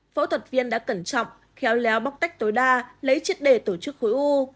phẫu thuật viên đã cẩn trọng khéo léo bóc tách tối đa lấy triệt đề tổ chức khối u